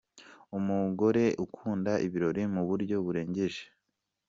Umugore ukunda ibirori mu buryo burengeje .